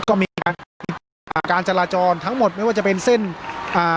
ก็มีการอ่าการจราจรทั้งหมดไม่ว่าจะเป็นเส้นอ่า